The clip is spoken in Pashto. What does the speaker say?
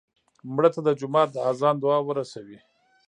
مړه ته د جومات د اذان دعا ورسوې